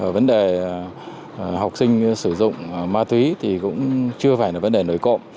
vấn đề học sinh sử dụng ma túy thì cũng chưa phải là vấn đề nổi cộng